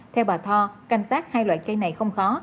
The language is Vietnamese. theo bà thoa canh tác hai loại cây này không khó